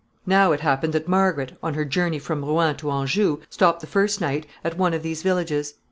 ] Now it happened that Margaret, on her journey from Rouen to Anjou, stopped the first night at one of these villages.